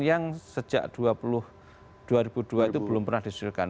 yang sejak dua ribu dua itu belum pernah diselesaikan